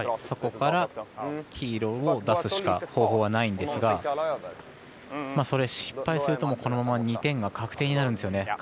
そこから黄色を出すしか方法はないんですがそれ、失敗するとこのまま２点が確定になるんですよね。